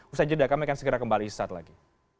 ustaz jeddah kami akan segera kembali saat lagi